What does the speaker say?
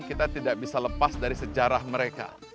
kita tidak bisa lepas dari sejarah mereka